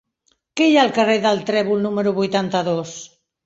Què hi ha al carrer del Trèvol número vuitanta-dos?